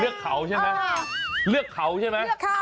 เขาใช่ไหมเลือกเขาใช่ไหม